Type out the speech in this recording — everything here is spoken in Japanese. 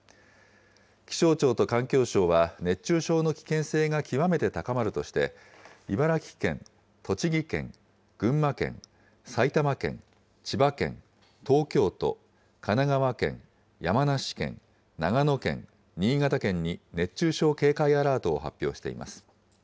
気象庁と環境省は、熱中症の危険性が極めて高まるとして、茨城県、栃木県、群馬県、埼玉県、千葉県、東京都、神奈川県、山梨県、長野県、新潟県に熱中症警戒アラートを発表しています。